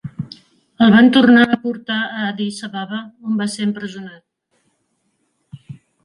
El van tornar a portar a Addis Ababa, on va ser empresonat.